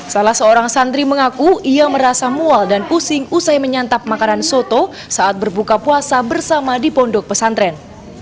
salah seorang santri mengaku ia merasa mual dan pusing usai menyantap makanan soto saat berbuka puasa bersama di pondok pesantren